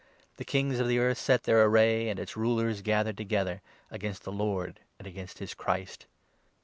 The king's of the earth set their array, 26 And its rulers gathered together, Against the Lord and against his Christ.'